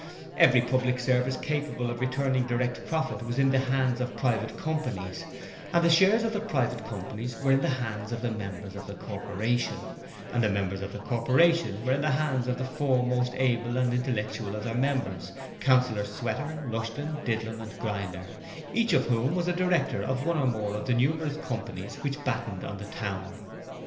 Every public service capable of returning direct profit was in the hands of private companies, and the shares of the private companies were in the hands of the members of the Corporation, and the members of the Corporation were in the hands of the four most able and intellectual of their number, Councillors Sweater, Rushton, Didlum and Grinder, each of whom was a director of one or more of the numerous companies which battened on the town.